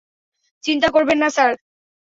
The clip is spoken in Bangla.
চিন্তা করবেন না স্যার।